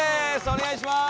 お願いします。